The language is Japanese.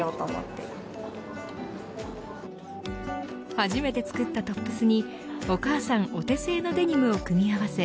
初めて作ったトップスにお母さんお手製のデニムを組み合わせ